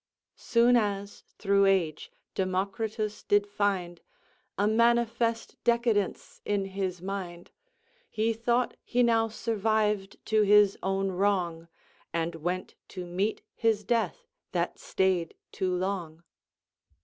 "Soon as, through age, Democritus did find A manifest decadence in his mind, He thought he now surviv'd to his own wrong, And went to meet his death, that stay'd too long."